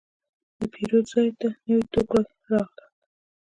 د پیرود ځای ته نوي توکي راغلل.